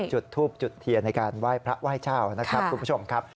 จุดทูบจุดเทียนในการไหว้พระไหว้เจ้านะครับคุณผู้ชมครับ